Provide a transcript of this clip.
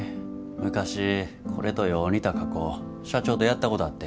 昔これとよう似た加工社長とやったことあって。